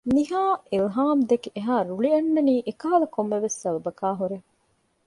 ނިހާ އިލްހާމްދެކެ އެހާ ރުޅި އަންނަނީ އެކަހަލަ ކޮންމެވެސް ސަބަބަކާ ހުރޭ